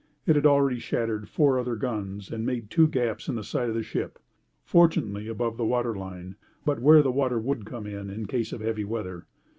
It had already shattered four other guns and made two gaps in the side of the ship, fortunately above the water line, but where the water would come in, in case of heavy weather.